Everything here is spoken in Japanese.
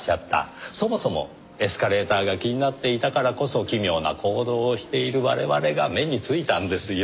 そもそもエスカレーターが気になっていたからこそ奇妙な行動をしている我々が目についたんですよ。